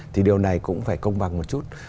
thì điều này cũng phải công bằng một chút